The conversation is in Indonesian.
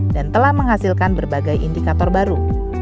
dan telah menghasilkan berbagai indikator baru